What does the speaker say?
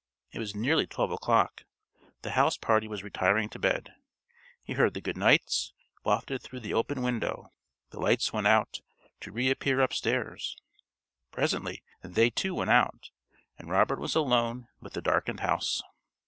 It was nearly twelve o'clock. The house party was retiring to bed. He heard the "Good nights" wafted through the open window; the lights went out, to reappear upstairs. Presently they too went out, and Robert was alone with the darkened house.